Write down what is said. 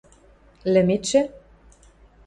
– Лӹметшӹ?